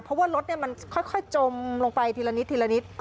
เพราะว่ารถค่อยจมลงไปทีละนิด